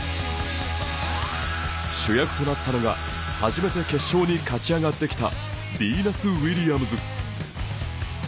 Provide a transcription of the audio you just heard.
主役となったのが初めて決勝に勝ち上がってきたビーナス・ウィリアムズ。